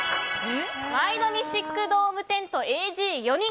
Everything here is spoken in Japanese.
ワイドミシックドームテントＡＧ４人。